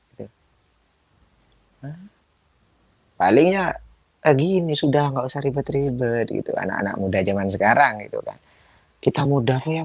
hai paling ya begini sudah enggak usah ribet ribet itu anak anak muda zaman sekarang itu kita mudahnya